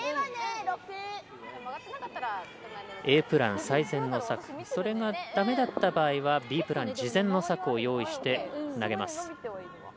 Ａプラン、最善の策それがだめだった場合はＢプラン次善の策を用意して投げます。